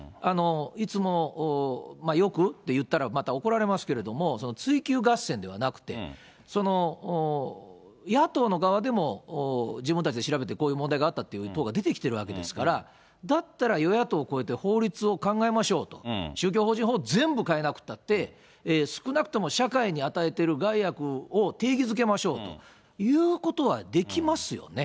いつも、よくって言ったらまた怒られますけど、追及合戦でなくて、その野党の側でも自分たちで調べてこういう問題があったという党が出てきているわけですから、だったら与野党超えて法律を考えましょうと、宗教法人法全部変えなくたって、少なくとも社会に与えている害悪を定義づけましょうということはできますよね。